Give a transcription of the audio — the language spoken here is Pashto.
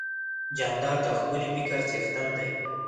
جانداد د ښکلي فکر څښتن دی.